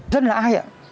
dân là ai ạ